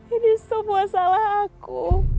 ini semua salah aku